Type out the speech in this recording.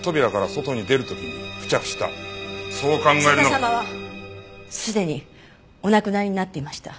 瀬田様はすでにお亡くなりになっていました。